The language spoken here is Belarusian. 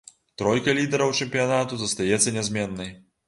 Тройка лідараў чэмпіянату застаецца нязменнай.